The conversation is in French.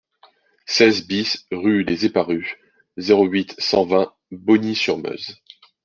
seize BIS rue des Eparus, zéro huit, cent vingt, Bogny-sur-Meuse